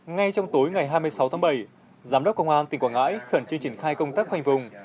ngay trong tối ngày hai mươi sáu tháng bảy giám đốc công an tỉnh quảng ngãi khẩn trương triển khai công tác khoanh vùng